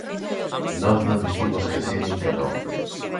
Nós non dicimos que si nin que non.